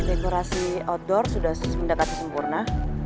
dekorasi outdoor sudah mendekati sempurna